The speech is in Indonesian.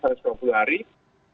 dan kita sekarang tinggal menunggu